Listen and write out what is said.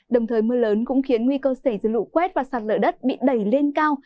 đồng thời mưa lớn cũng khiến nguy cơ xảy ra lũ quét và sạt lở đất bị đẩy lên cao